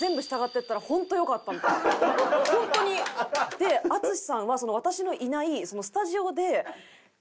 で淳さんは私のいないスタジオで。